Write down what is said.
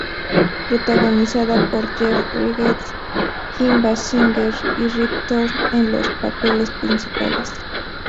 Protagonizada por Jeff Bridges, Kim Basinger y Rip Torn en los papeles principales.